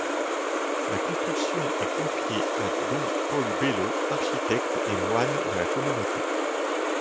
La construction est confiée à Dom Paul Bellot, architecte et moine de la communauté.